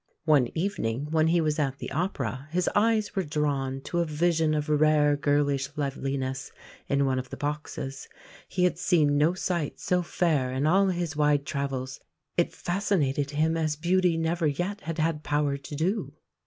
One evening when he was at the opera his eyes were drawn to a vision of rare girlish loveliness in one of the boxes. He had seen no sight so fair in all his wide travels; it fascinated him as beauty never yet had had power to do.